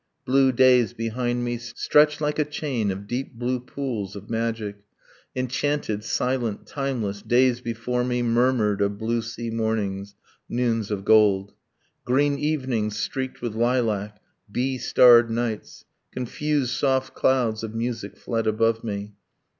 ... blue days behind me Stretched like a chain of deep blue pools of magic, Enchanted, silent, timeless. ... days before me Murmured of blue sea mornings, noons of gold, Green evenings streaked with lilac, bee starred nights. Confused soft clouds of music fled above me.